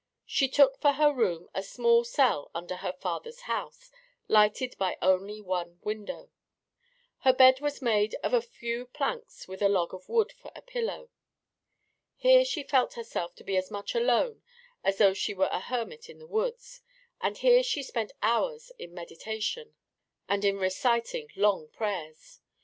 She took for her room a small cell under her father's house, lighted by only one window. Her bed was made of a few planks with a log of wood for a pillow. Here she felt herself to be as much alone as though she were a hermit in the woods, and here she spent hours in meditation and in reciting long prayers.